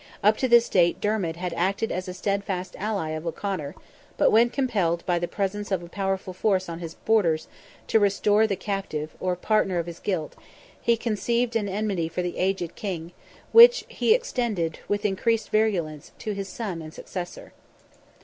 Up to this date Dermid had acted as a steadfast ally of O'Conor, but when compelled by the presence of a powerful force on his borders to restore the captive, or partner of his guilt, he conceived an enmity for the aged king, which he extended, with increased virulence, to his son and successor.